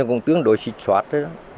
cũng tương đối xịt xoát